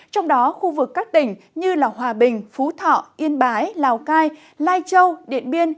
trong đó khu vực các tỉnh như hòa bình phú thọ yên bái lào cai lai châu điện biên